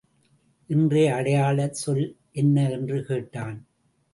இன்றைய அடையாளச் சொல் என்ன? என்று கேட்டான்.